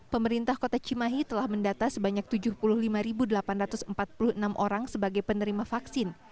pemerintah kota cimahi telah mendata sebanyak tujuh puluh lima delapan ratus empat puluh enam orang sebagai penerima vaksin